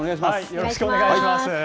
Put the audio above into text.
よろしくお願いします。